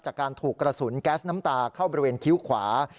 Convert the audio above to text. จากการถูกกระสุนแก๊สน้ำตาเข้าบริเวณคิ้วขวา